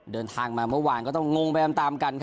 เดินทางมาเมื่อวานก็ต้องงงไปตามกัน